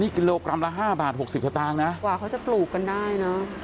กิโลกรัมละ๕บาท๖๐สตางค์นะกว่าเขาจะปลูกกันได้เนอะ